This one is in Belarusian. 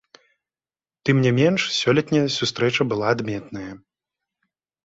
Тым не менш сёлетняя сустрэча была адметная.